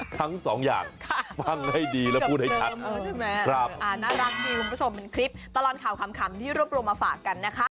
ทั้งสองอย่างฟังให้ดีแล้วพูดให้ชัดน่ารักดีคุณผู้ชมเป็นคลิปตลอดข่าวขำที่รวบรวมมาฝากกันนะคะ